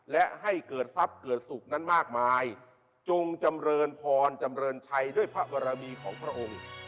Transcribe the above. และให้เกิดทรัพย์เกิดสุขนั้นมากมายจงจำเรินพรจำเริญชัยด้วยพระบรมีของพระองค์